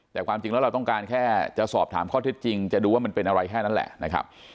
แต่ความจริงแล้วเราต้องการแค่จะสอบถามข้อเท็จจริงจะดูว่ามันเป็นอะไรแค่นั้นแหละนะครับ